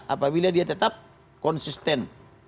apabila dia tetap konsisten